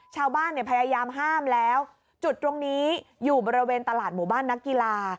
ชาวบ้านเนี่ยพยายามห้ามแล้วจุดตรงนี้อยู่บริเวณตลาดหมู่บ้านนักกีฬา